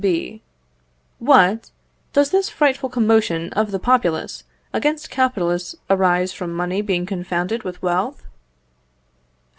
B. What! does this frightful commotion of the populace against capitalists arise from money being confounded with wealth?